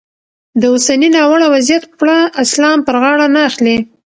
د اوسني ناوړه وضیعت پړه اسلام پر غاړه نه اخلي.